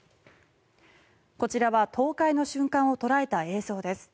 こちらは倒壊の瞬間を捉えた映像です。